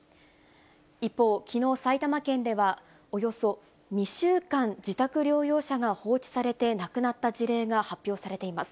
一方、きのう、埼玉県ではおよそ２週間、自宅療養者が放置されて亡くなった事例が発表されています。